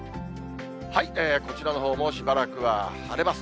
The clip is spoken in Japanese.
こちらのほうもしばらくは晴れます。